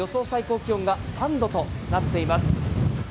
最高気温が３度となっています